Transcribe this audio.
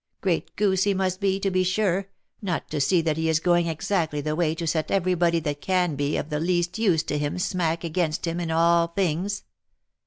Great goose he must be, to be sure, not to see that he is going exactly the way to set every body that can be of the least use to him smack against him in all things!"